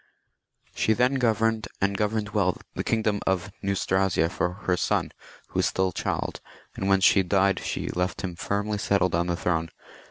V.]. THE MEROVINGIAN KINGS. 23 She then governed, and governed well, the kingdom of Neustria for her son, who was still a child, and when she died she left him firmly settled on the throne.